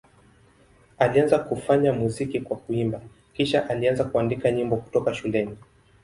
Alianza kufanya muziki kwa kuimba, kisha alianza kuandika nyimbo kutoka shuleni.